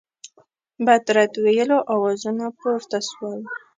بد رد ویلو آوازونه پورته سول.